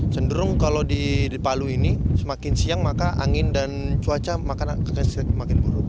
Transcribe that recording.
senderung kalau di palu ini semakin siang maka angin dan cuaca makin buruk